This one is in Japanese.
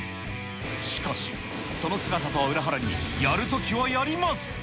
しかし、その姿とは裏腹にやるときはやります。